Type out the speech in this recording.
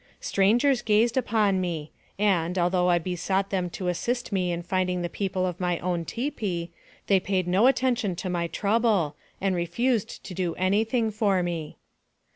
Strangers gazed upon me, and, although I be sought them to assist me in finding the people of my own tipi, they paid no attention to my trouble, and refused to do any thing for me.